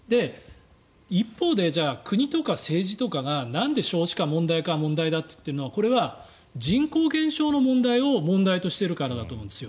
一方で、国とか政治とかがなんで少子化が問題だと言っているのかはこれは人口減少の問題を問題としているからだと思うんですよ。